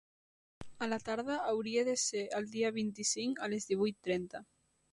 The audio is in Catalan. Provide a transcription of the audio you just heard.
A la tarda hauria de ser el dia vint-i-cinc a les divuit trenta.